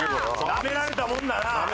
なめられたもんだな。